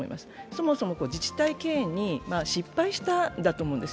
そもそも自治体経営に失敗したんだと思います